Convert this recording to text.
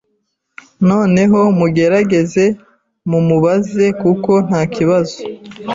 Noneho mugerageze mumubaze kuko ntakibazo